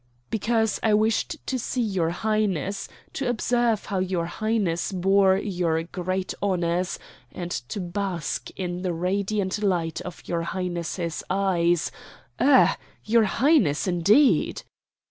"Because I wished to see your Highness, to observe how your Highness bore your great honors, and to bask in the radiant light of your Highness's eyes ugh! Your Highness, indeed!"